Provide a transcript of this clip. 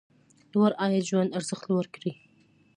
لوړ عاید ژوند ارزښت لوړ کړي.